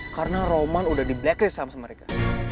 karena roman udah di blacklist sama mereka